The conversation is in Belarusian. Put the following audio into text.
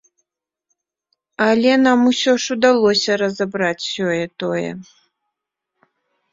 Але нам усё ж удалося разабраць сёе-тое.